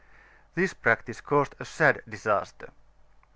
This practice caused a sad disaster.